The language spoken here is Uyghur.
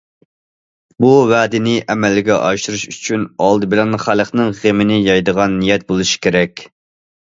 بۇ ۋەدىنى ئەمەلگە ئاشۇرۇش ئۈچۈن، ئالدى بىلەن خەلقنىڭ غېمىنى يەيدىغان نىيەت بولۇشى كېرەك.